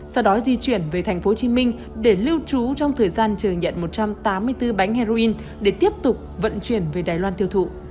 sau đó di chuyển về thành phố hồ chí minh để lưu trú trong thời gian chờ nhận một trăm tám mươi bốn bánh heroin để tiếp tục vận chuyển về đài loan tiêu thụ